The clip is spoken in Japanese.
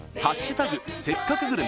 せっかくグルメ＃